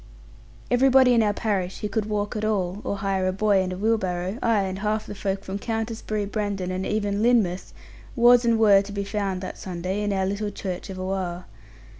Everybody in our parish, who could walk at all, or hire a boy and a wheelbarrow, ay, and half the folk from Countisbury, Brendon, and even Lynmouth, was and were to be found that Sunday, in our little church of Oare.